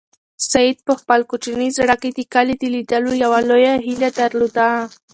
سعید په خپل کوچني زړه کې د کلي د لیدلو یوه لویه هیله درلوده.